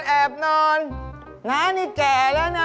แอบนอนน้านี่แก่แล้วนะ